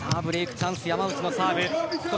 チャンス山内のサーブ。